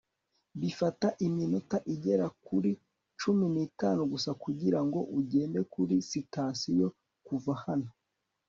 bifata iminota igera kuri cumi n'itanu gusa kugirango ugende kuri sitasiyo kuva hano